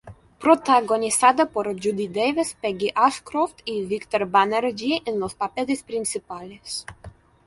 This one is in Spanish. Protagonizada por Judy Davis, Peggy Ashcroft y Victor Banerjee en los papeles principales.